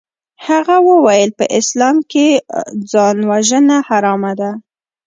هغه وويل په اسلام کښې ځانوژنه حرامه ده.